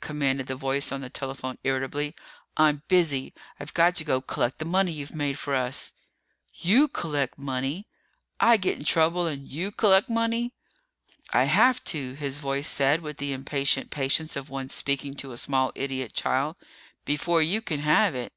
commanded the voice on the telephone irritably. "I'm busy. I've got to go collect the money you've made for us." "You collect money? I get in trouble and you collect money?" "I have to," his voice said with the impatient patience of one speaking to a small idiot child, "before you can have it.